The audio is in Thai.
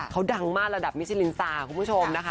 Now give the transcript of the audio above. เขาดังมากระดับมิชลินซาคุณผู้ชมนะคะ